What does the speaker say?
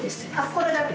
これだけ？